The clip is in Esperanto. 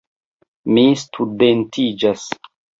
Mi studentiĝas!